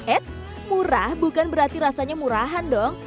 eits murah bukan berarti rasanya murahan dong